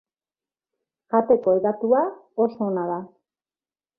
Jateko hedatua, oso ona da.